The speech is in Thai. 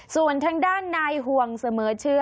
ส่วนทางด้านนายห่วงเสมอเชื่อ